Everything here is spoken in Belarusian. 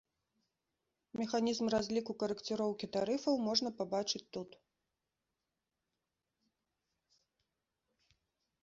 Механізм разліку карэкціроўкі тарыфаў можна пабачыць тут.